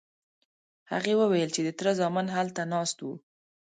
هغې وویل چې د تره زامن هلته ناست وو.